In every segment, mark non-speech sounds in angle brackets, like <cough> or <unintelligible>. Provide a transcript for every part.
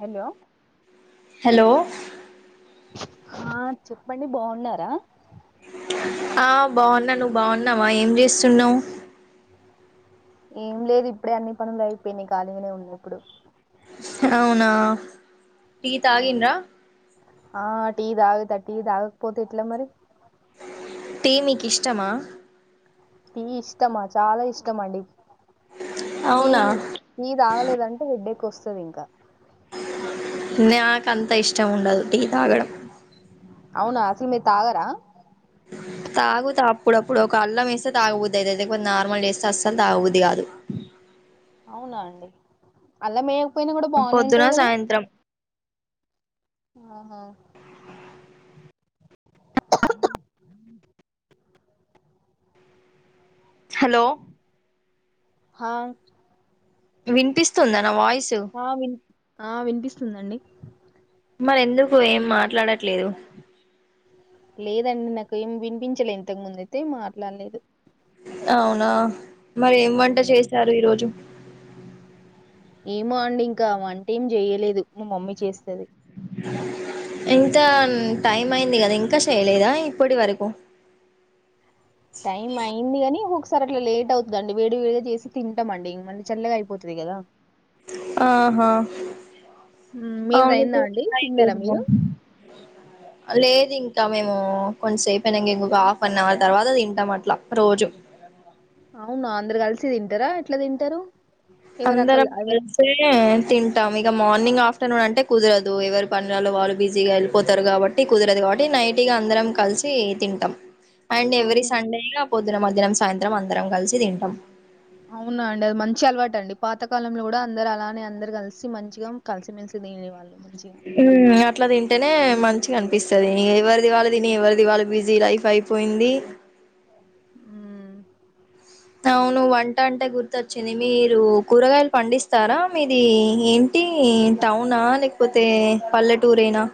Hello hello ఆ చెప్పండి బావున్నారా ఆ బావున్నా నువ్వు బావున్నావా ఏం చేస్తున్నవ్ ఏం లేదు ఇప్పుడే అన్ని పనులు అయిపోయినాయి ఖాళీగానే ఉన్నా ఇప్పుడు అవునా టీ తాగిండ్రా ఆ టీ తాగుతా టీ తాగకపోతే ఎట్లా మరి మీక్ ఇష్టమా టీ ఇష్టమా చాలా ఇష్టమండి అవునా టీం ని తాగలేదంటే హెడ్డె కోస్తుది ఇంకా న్యాకు అంత ఇష్టం ఉండదు టీ తాగడం అవునా అసలు మీరు తాగరా తాగుతా అప్పుడప్పుడు ఒక అల్లం వేస్తే తాగబుద్దైతది లేకపోతే నార్మల్ డేస్తే అస్సలు తాగబుద్ది కాదు అవునా అండి అలా మే పొద్దున సాయంత్రం ఆహా <unintelligible> హలో హ వినిపిస్తుంద నా వాయిస్ ఆ విన్ ఆ వినిపిస్తుందండి మరి ఎందుకు ఏం మాట్లాడట్లేదు లేదండి నాకు ఏం వినిపించలే ఇంతకు ముందు అయితే మాట్లాడలేదు అవునా మరి ఏం వంట అవును చేశారు ఈరోజు ఏమో అండి ఇంకా వంటెం చేయలేదు మా మమ్మీ చేస్తది ఇంత టైం అయింది కదా ఇంకా చేయలేదా ఇప్పటి వరకు టైమ్ అయిందికానీ ఒకసారి అట్లా లేట్ అవుతుందండి వేడి వేడి చేసి తింటామ అండి ఇంగ మళ్ళీ చల్లగా అయిపోతది కదా ఆహా హ్మ్. మీది అవును అయిందా అండి తిన్నారా చ మీరు లేదు ఇంకా కొంచెం సేపుయినాం ఇంకొక హాఫ్ అన్ అవర్ తర్వాత అది తింటాం అట్లా రోజు అవునా అందరు కలిసి తింటారా ఎట్లా తింటారు ఎవరు అకల్ అందరం ఎవరు కలిసే తింటాము ఇక మార్నింగ్ ఆఫ్టర్నూన్ అంటే కుదరదు ఎవరి పనులలో వాళ్ళు బిజీగా వెళ్ళిపోతారు కాబట్టి కుదరదు కాబట్టి నైటిగా అందరం కలిసి తింటాం అండ్ ఎవ్రీ అవును సండే పొద్దున్న మధ్యాం సాయంత్రం అందరం కలిసి తింటాం అవునా అండి అది మంచి అలవాట అండి పాతకాలంలో కూడా అందరు అలానే అందరు కలిసి మంచిగా కలిసిమెలిసి తేనే వాళ్ళు అట్లాతి అంటేనే మంచిగా అనిపిస్తుంది ఎవరిదివాలు తిని ఎవరిదివాల బిజీ లైఫ్ అయిపోయింది మ్మ్ వచ్చింది మీరు కూరగాయలు పండిస్తారా మీది ఏంటి టౌనా లేకపోతే పల్లెటూరేనా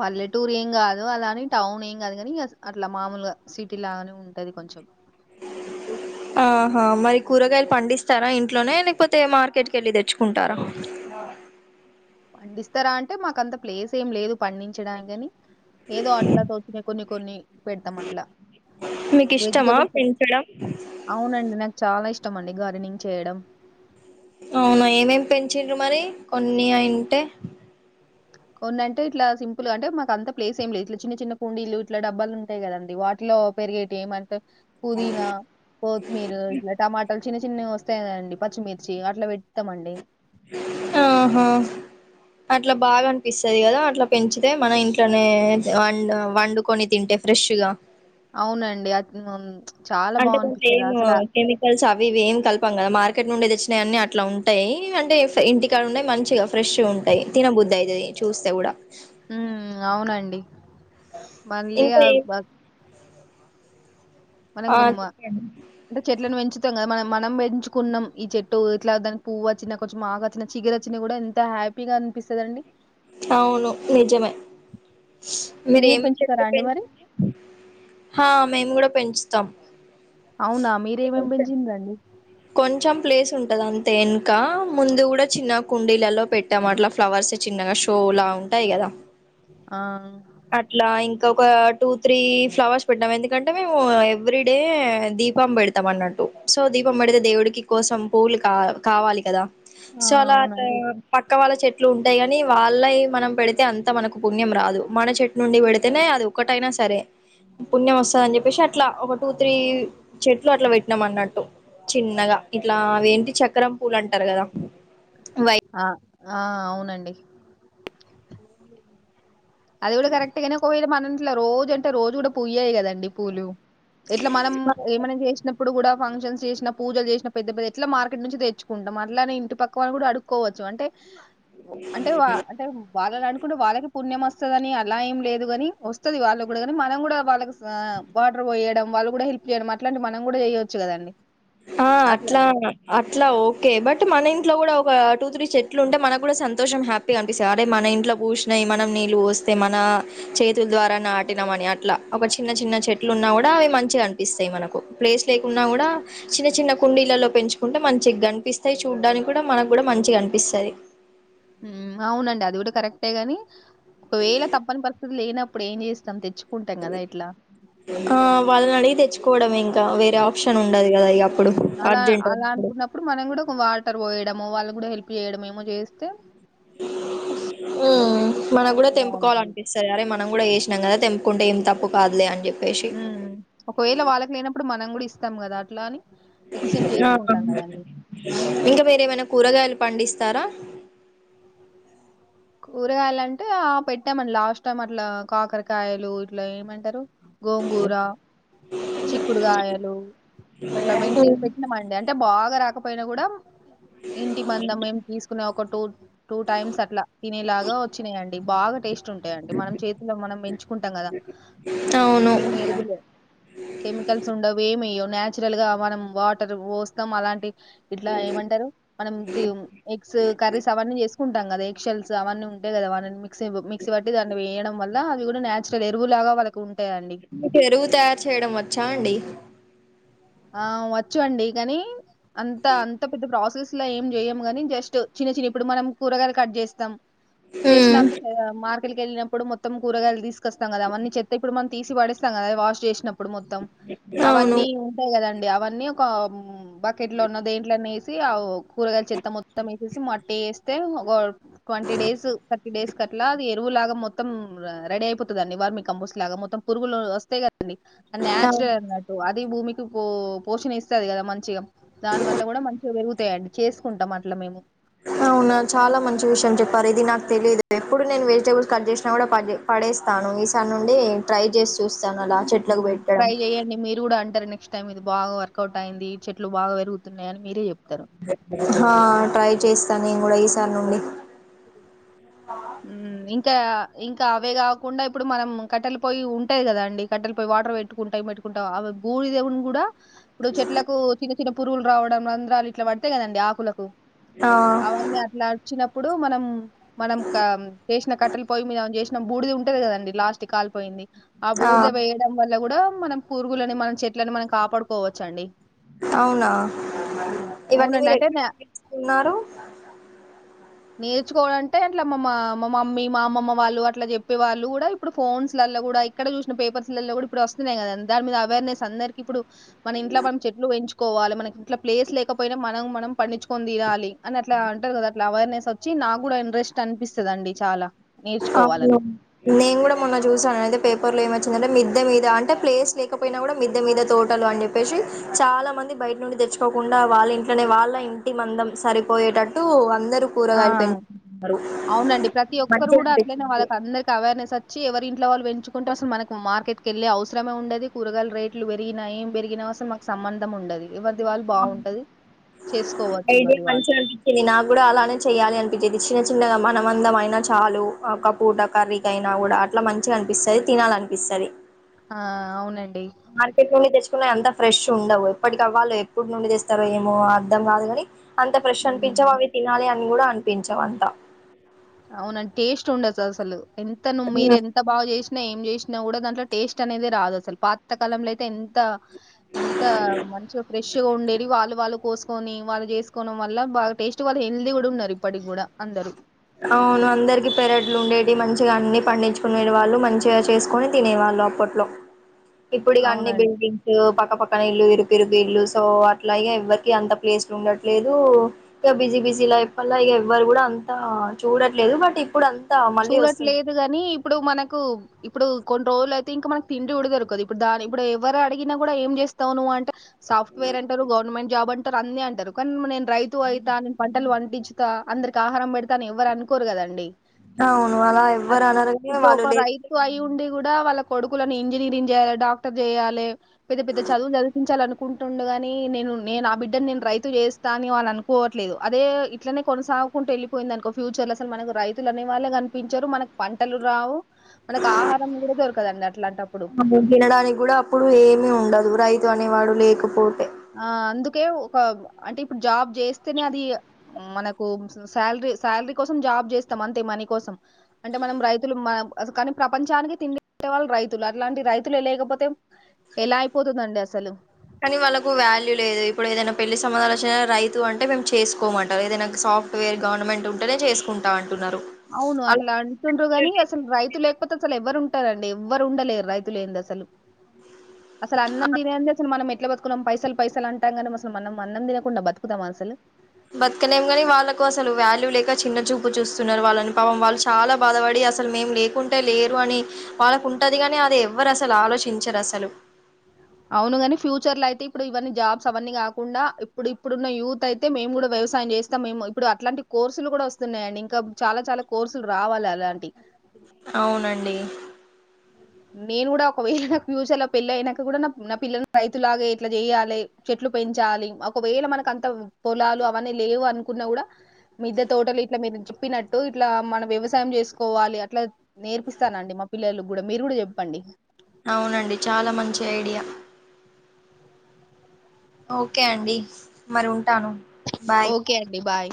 పల్లెటూరు ఏం కాదు అలాని టౌన్ ఏం కాదు కాని అట్లా మామూలుగా సిటీ లాగానే ఉంటది కొంచెం ఆహా మరి కూరగాయలు పండిస్తారా ఇంట్లోనే లేకపోతే మార్కెట్కి వెళ్ళి తెచ్చుకుంటారా పండిస్తారా అంటే మాక అంత ప్లేస్ ఏం లేదు పండించడానికని ఏదో అట్లా తోచ్చినయి కొన్ని కొన్ని పెడతాం అట్లా మీకు ఇష్టమా వెజిటబుల్స్ పెంచడం అవునండి నాకు చాలా ఇష్టం ఇష్టంమండి గార్డెనింగ్ చేయడం అవునా ఏమ్ ఏమ్ పెంచిండ్రు మరి కొన్ని అంటే కొన్ని అంటే ఇట్లా సింపుల్గా అంటే మాకు అంత ప్లేస్ ఏం లేదు ఇట్లా చిన్న చిన్న కుండీలు ఇట్లా డబ్బాలు ఉంటాయి కదండి వాటిలో పెరిగేటివి ఏమంటే పుదీనా కోతిమీరు ఇట్లా టమాట చిన్న చిన్నవి వస్తాయి కదా అండీ పచ్చిమిర్చి అట్లా పెడతామండి ఆహా అట్లా బాగా అనిపిస్తది కదా అట్లా పెంచితే మన ఇంట్లోనే అండ్ వండుకొని తింటే ఫ్రెష్గా అవునండి <unintelligible> బా అంటే దాంట్లో అనిపిస్తది ఏం అసల కెమికల్స్ అవి ఇవి ఏం కలపం కదా మార్కెట్ నుండే తే చ్చినయి అన్ని అట్లా ఉంటాయి అంటే ఇంటికాడ ఉన్నాయి మంచిగా ఫ్రెష్ గా ఉంటాయి తినబుద్ధి అయితది చూస్తే కూడా ఉమ్ అవునండి మళ్లీ ఇంకా అగ్ ఏం బగ్ మనం ఆ గుమ్మ చెప్పండి <inaudible> చెట్లును పెంచు మొత్తంగా మనం మనం పెంచుకున్నాం ఈ చెట్టు ఇట్లా దానికి పువ్వు వచ్చిన కొంచెం ఆకు వచ్చినా చిగురు వచ్చినా కూడా ఎంత హ్యాపీగా అనిపిస్తదండి అవును నిజమే మీరు పెంచుతారా అండి మరి హా మేము కూడా పెంచు తం అవునా మీరు ఏమ్ ఏమ్ పెంచ్చిర్రు అండీ కొంచెం ప్లేస్ ఉంటది అంతే వెనుక ముందు కూడా చిన్న కుండీలలో పెట్టాము అట్లా ఫ్లవర్స్ చిన్నగా షో లా ఉంటాయి కదా ఆ అట్లా ఇంకా ఒక టూ త్రీ ఫ్లవర్స్ పెట్టాం ఎందుకంటే మేము ఎవ్రీ డే దీపం పెడతాం అన్నట్టు సో దీ దీపం పెడితే దేవుడికి కోసం పువ్వులు కా కావాలి కదా ఆ చాల అంటే అవునండి పక్క వాళ్ళ చెట్ చెట్లు ఉంటాయి కాని వాళ్లాయి మనం పెడితే అంత మనకు పుణ్యం రాదు మన చెట్టు నుండి పెడితేనే అది ఒకటైనా సరే పుణ్యం వస్తదని అని చెప్పేసి అట్లా ఒక టూ త్రీ చెట్లు అట్లా పెట్టినాం అన్నట్టు ఈ చక్రం పూలు అంటారు కదా ఆ ఆ అవునండి అది కూడా కరెక్ట్ గానే ఒక వేల మన ఇంట్ల రోజు అంటే రోజు కూడా పూయ్యాయి కదండి పూలు ఇట్లా మనం వై ఏమన్నా చేసినమ్ ఇప్పుడు కూడా ఫంక్షన్స్ చేసిన పూజలు చేసిన పెద్ద పెద్ద ఎట్లా మార్కెట్ నుంచి తెచ్చుకుంటాం అట్లానే ఇంటి పక్క వాళ్ళు కూడా అడుక్కోవచ్చు అంటే అంటే వా అంటే వాళ్ళని అడుక్కుంటే వాళ్ళకి పుణ్యము వస్ వస్తాదని అలా ఏం లేదు గాని వస్తాది వాళ్ళ కూడా కాని మనం కూడా వాళ్ళకు ఆ వాటర్ పోయడం వాళ్ళు కూడా హెల్ప్ చేయడం అట్లాంటి మనం కూడా చెయవచ్చు కదండి ఆ అట్లా అట్లా ఓకే బట్ మన ఇంటీ ఇంట్లో కూడా ఒక టూ త్రీ చెట్లు ఉంటే మనకు కూడా సంతోషం హ్యాపీగా అనిపిస్తాయి అదే మన ఇంట్లో పూసినాయి మనం నీళ్ళు వస్తే మన చేతుల ద్వారా నాటినం అని అట్లా ఒక చిన్న చిన్న చెట్లు ఉన్నా కూడా అవి మంచిగా కనిపిస్తాయి మనకు ప్లేస్ లేకున్నా కూడా చిన్న చిన్న కుండీలలో పెంచుకుంటే మంచిగా కనిపిస్తాయి చూడ్డానికి కూడా మనకు హ్ అవునండి అది కూడా కరెక్టే గాని ఒకవేళ తప్పని పరిస్థితి లేనప్పుడు ఏం చేస్తాం తెచ్చుకుంటాం కదా ఇట్లా ఆ వాళ్ళ అడిగి తెచ్చుకోవడమే ఇం తా వేరే ఆప్షన్ ఉండదు కదా ఇగ అప్పుడు ఉమ్, అలా అర్జెంట్ అలా అనుకున్నప్పుడు మనం కూడా ఒక వాటర్ పోయడం వాళ్ళు కూడా హెల్ప్ చేయడం ఏమో చేస్తే హ్మ్ మనకు కూడా బాగుంటది తెంపుకోవాలనిపిస్తాది అరే మన మనం కూడా ఏసినం కదా తెంపుకుంటే ఏం తప్పు కాదులే అనీ చే మ్ ఒకవేళ వాళ్ళకి లేనప్పుడు మన మనం కూడా ఇస్తాం కదా అట్లని ఇంకా వేరేదెమైన కూరగాయలు పండిస్తారా కూరగాయలాంటే ఆ పెట్టామండి లాస్ట్ టైం అట్లా కాకరకాయలు ఇట్లా ఏమంటారు. గోంగూర, చిక్కుడుగాయలు అట్లా వెంటి పెట్టినమండి. అంటే బాగా రాకపోయి పైన కూడా ఇంటి మందం మేము తీసుకునే ఒక కటుత్ టూ టైమ్స్ అట్లా తినేలాగా వచ్చినాయండి బాగా టేస్ట్ ఉంటాయండి. మనం చేతిల్లో మనం పెంచుకుంటాం కదా అవును ఏం ఎరువులే కెమికల్స్ ఉండవు ఏం ఏయ్యావ్ న్యాచ్ చురల్ గా మనం వాటర్ పోస్తాం అలాంటి ఇట్లా ఏమంటారు మనం ఎగ్స్ కర్రీస్ అవన్నీ చేసుకు టాం కదా ఎక్షల్స్ అవన్నీ ఉంటాయి కదా వలన్మి మిక్సి మిక్సిబట్టి దాన్ని వేయడం వల్ల అది కూడా నేచురల్ ఎరువులాగా వాళ్లకు మీకు ఎరువు తయారు చేయడం వచ్చా అండి. ఆ వచ్చు అండి కనీ అంత అంత పెద్ద ప్రోసెస్ ఇంట్లా ఏం చేయ్యము కానీ జస్ట్ చిన్న చిన్న ఇప్పుడు మనం కూరగాయాలు కట్ చేస్తాం. ఉమ్ చేసినంతకే మార్క్ ట్ కెళ్ళినప్పుడు మొత్తం కూరగాయలు తీస్ కోస్తాం కదా అవ్వని చెత్త ఇప్పుడు మక్ తీసి పడేస్తాం కదా అవి వాష్ చేసినప్పు అప్పు డు మొత్తం అవును అవన్నీ కదండి అవన్నీ ఒక ఉమ్ బకెట్లో అన్న దేంట్లో అన్న ఏసి సి అవ్ కూరగాయల చెత్త మొత్తం ఏసేసి మట్టి ఏస్తే గాడ్ ట్వంటి డేస్ థర్టీ డేస్ కట్లా అది ఎరువులాగా మొత్త త్తం రెడీ అయిపోతదండి వర్మీ కంపోస్ట్ లాగా మొత్తం పురుగులు వస్థాయి కదా అవు న్యాచురల్ అన్నట్టు అది భూమి పో పోషణ ఇస్తంది కదా మంచిగా దాని వల్ల కూడా మంచిగా పెరుగుతాయండి చేసుకుంటాం అట్లా మేము అవునా చాలా మంచి విషయం చెప్పారు ఇది నాకు తెలిలీదు ఎప్పుడు నేను వెజిటేబుల్స్ కట్ చేసినా కూడా పడే పడేస్తాను ఈసారి నుండి ట్రై చేసి చూస్త ట్రై చెయ్యండి మీరు కూడా అంటారు నే నెక్ట్ టైం ఇది బాగా వర్కౌట్ అయింది చెట్లు బాగా పెరుగుతున్నాయని మీరే చెప్పు హా ట్రై చేస్తాను నేను కూడా ఈసారి నుండి మ్ ఇ ఇంకా ఇంకా అవే కాకుండా ఇప్పుడు మనం కట్టెలు పోయి ఉంటాది కదా అండి కట్టెలు పోయి వాటర్ పెట్టుకుంటాం పెట్టుకుంటాం అవి బూడి దేవుని కూడా ఇప్పు చెట్లాకు చిన్న పురుగులు రావడం రంధ్రాలు ఇట్లా పడితేయి కదండి ఆకులకు ఆ అవన్నీ అట్లా వచ్చినప్పు ఇప్పుడు మనం మనం క చేసిన కట్టెలు పోయి మీద చేసిన బూడిది ఉంటది కదండి లాస్ట్ క కాల్పోయింది ఆ బూడిద వేయడం వల్ల కూడా మనం కూరుగులని మన చెట్లని మనం కాపాడుకోవచ్చ అండి అవునా ఇవన్నీ అవునండి మీరు ఎక్కడి అంటే నుంచి నేర్చుకున్నారు నేర్చుకోవాలంటే అట్లా మా మా మా మమ్మీ మా అమమ్మ వాళ్ళు అట్లా చెప్పే వాళ్ళు కూడా ఇప్పుడు ఫోన్స్లలో కూడా ఇక్కడ చూసిన పేపర్స్లలో కూడా ఇప్పుడు వస్తున్నాయి కద దాని మీద అవేర్నెస్ అందరికి ఇప్పుడు మన ఇంట్లో మనం చెట్లు పెంచు కోవాలి మనకి ఇట్లా ప్లేస్ లేకపోయినా మనం మనం పండించుకని తినాలి అని అలా అంటారు కదా అట్లా అవేర్నెస్ వచ్చి నాకు కూడా ఇంట్రెస్ట్ అనిపిస్తదండి చాలా అవును నేర్చుకోవాలని నేను కూడా మొన్న చూసాను అయితే పేపర్ లో ఏమో వచ్చిందంటే మిద్ద మీద అంటే ప్లేస్ లేకపోయినా కూడా మిద్దె మీద తోటలు అని చెప్పేసి చాలా మంది బయట నుండి తెచ్చుకోకుండా వాళ్ళ ఇంట్లోనే వాళ్ళ ఇంటి మందం సరిపోయేటట్టు అంద ఆ కూరగాలు పెంచుకుంటారు అవునండి ప్రతి ఒక్కరు మంచి కూడా అట్లనే వాళ్ళకి అందరికి అవర్నెస్చ్చ వచ్చి ఎవరింట్లో వాళ్ళు పెంచుకుంటే అస మనకు మార్కెట్కి వెళ్ళే అవసరమే ఉండ కూరగాయ రేలు పెరిన ఏం పెరిగినా అసలు మాకు సంబంధం ఉండదు చేసుకోవచ్చు ఐడియా ఎవరి వాళ్ళు మంచిగా అనిపించింది నాకు కూడా అలా అని చెయాలి అనిపించేది చిన్న చిన్నగా మనవందం అయినా చాలు ఆ క పూట కర్రికయినా కూడా అట్లా మంచిగా అనిపిస్తుంది తినాలి అనిపిస్తుంది ఆ అవునండి మార్కెట్లోనే తెచ్ చున్నాయ్ అంతా ఫ్రెష్ ఉండవు. ఎప్పటికవాలి ఎప్పుడు నుండి తెస్తారు, ఏమో అర్థం కాదు కాని అంత ఫ్రెష్ హ్మ్ అనిపించవ్ అవి తినాలి అని కూడా అనిపించవంట అవునం టేస్ట్ ఉండచ్చ అస్ అసలు ఎంత నువ్ మీరెంత బాగా చేస్ నేం జేసినా కూడా దాంట్లో టేస్ట్ అనేది రాదు, అసలు పాతకాలంలో అయితే ఎంత ఎంత మంచిగా ఫ్రెష్గా ఉండేది, వాళ్ళు వాళ్ళు కోసం పోనీ వాళ్ళు జేస్కోను వల్ల బాగా టేస్ట్ వాళ్ళు హెల్దీ కూడా ఉన్నారు. ఇప్పటికి కూడా అందరు. అవును అందరికి పెరడ్లు ఉండేవి మంచిగా అన్ని పండించుకునే వాళ్ళు మంచిగా చేస్కొని తినేవాళ్ళు లోలపట్లో ఇప్పుడిక అన్ని అవునండి. బిల్డింగ్స్ పక్కపక్క పక్కన ఇల్లు ఇరుకిర్రుగా ఇల్లు సో అట్లాగే ఎవ్వరికి అంత ప్లేస్లు ఉండట్లేదు ఇక బిజీ బిజీ లైఫల్లా ఇగా ఎవ్వరు కూడా అంత చూడట్లేదు బట్ ఇప్పుడు అంన్ చూడట్లేదు గాని ఇప్పుడు మనకు ఇప్పుడు కొన్రోల్ య్ థింక్ మనకి తిండి కూడా దొరకదు. ఇప్పుడు దాని ఇప్పుడు ఎవరు అడిగినా కూడా ఏం చేస్తావువ్ నువ్వు అంట్ సాఫ్ట్వేర్ అంటారు, గవర్నమెంట్, జాబ్ అంటారు అన్నీ అంటారు కానీ నేను రైతు అవుతా నేను పంటలు వంటించుతా అందరికి ఆహారం పెడతా అని ఎవ్వరు అనుకోరు కదండి అవును అలా అట్ ఎవ్వరు అనరూ ఇప్పుడు వాళ్ళు ఒక లేక రైతు అయి ఉండి కూడా వాళ్ళ కొడుకులను ఇంజనీరింగ్ చేయాలి డాక్టర్ చేయాలి పెద్ద పెద్ద చదువు చదిపించాలి అనుకుంటుండడుగాని నేను నేను ఆ బిడ్డని నేను రైతు చేస్తా అ వాళని అనుకోవట్లేదు అదే ఇట్లనే కొనసాగుకుంటూ వెళ్ళిపోయింది అనుకో ఫ్యూచర్ లో అసలు మనకు రైతులునే వళ కనిపించరు మనకు పంటలు రావు మనకు ఆహారం కూడా దొరకదండి అట్లాంటప్పుడు అ తినడానికి కూడా అప్పుడు ఏమి ఉండదు రైతు తు అనేవాడు లేకపోతె కే ఒక అంటే ఇప్పుడు జాబ్ చేస్తేనే అది మనకు శాలరీ శాలరీ కోసం జాబ్ చేస్తాం అంతే మనీ కోసం అంటే మనం రైతులు మన కానీ ప్రపంచానికి తిండే వాళ్ళ రైతులు అట్లాంటి రైతులు లేకపోతే ఎలా అయిపోతుందండి అసలు కానీ వాళ్ళకు వాల్యూ లేదు ఇప్పుడు ఏదైనా పెళ్లి సంబంధాలు వచ్చిన రైతు అంటే మేము చేసుకోమంట ఏదైనా సాఫ్ట్వేర్ గవర్నమెంట్ ఉంటేనే చేసుకుంటాం అంట అవును అట్లా అంటుండ్రగాని అసలు రైతులు ఎ లేకపోత అసలు ఎవ్వరుంటారండి ఎవ్వరు ఉండలేరు రైతులు ఏంది అసలు అసలు అన్నం తినేది అసలు మనం ఇట్లా బతుకున్నాం పైసలు పైసలు అంటాం కానీ అసలు మనం అన్నం తినకుండా బతుకుతాం అసలు బతకనేం కాని వాళ్ళకు అసలు వాల్యూ లేక చిన్న చూపు చూస్తున్నారు వాళ్ళని పాపం వాళ్ళు చాలా బాధపడి అసలు మేం లేకుంటే లేరు అని వాళ్ళకు ఉంటది కాని అది ఎవ్వరు అసలు ఆలోచించరు అసలు అవును ని ఫ్యూచర్ లో అయితే ఇప్పుడు ఇవన్నీ జాబ్స్ అవన్నీ కాకుండా ఇప్పుడు ఇప్పుడున్న యూత్ అయితే మేము కూడా వ్యవసాయం చేస్తాం మేము ఇప్పుడు అట్లాంటి కోర్సులు కూడా వస్తున్నాయండి ఇంకా చాలా చాలా కోర్సులు రావాలి అలాంటి అవునండి నేను కూడా ఒకవేళ నా ఫ్యూచర్ లో పెళ్ళ అయినాక కూడా నా పిల్లలను రైతులాగే ఇట్లా చెయాలి చెట్లు పెంచాలి ఒకవేళ మనకు అంత పొలాలు అవన్నీ లేవు అనుకున్న కూడా మద్ద తోటలు ఇట్లా మీరు చెప్పినట్టు ఇట్లా మనం వ్యవసాయం చేసుకోవాలి అట్లా నేర్పిస్తానండి మా పిల్లలు కూడా మీరు గూడ చెప్పండి అవునండి చాలా మంచి ఐడియా ఓకే అండి మరి ఉ ఓకే అండి బాయ్